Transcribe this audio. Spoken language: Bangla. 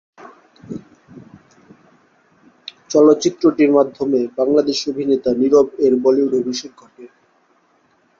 চলচ্চিত্রটির মাধ্যমে বাংলাদেশি অভিনেতা নিরব এর বলিউডে অভিষেক ঘটে।